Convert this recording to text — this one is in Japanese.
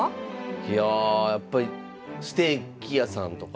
いやあやっぱりステーキ屋さんとか。